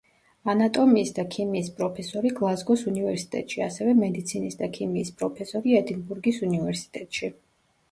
ანატომიის და ქიმიის პროფესორი გლაზგოს უნივერსიტეტში, ასევე მედიცინის და ქიმიის პროფესორი ედინბურგის უნივერსიტეტში.